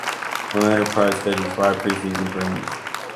Orlando Pride scheduled five preseason friendlies.